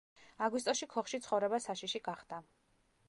აგვისტოში ქოხში ცხოვრება საშიში გახდა.